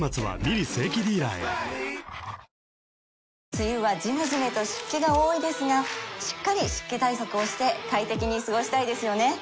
梅雨はジメジメと湿気が多いですがしっかり湿気対策をして快適に過ごしたいですよね